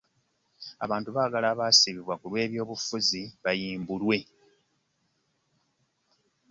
Abantu bagala abasibibwa ku lw'eby'obufuzi bayimbulwe.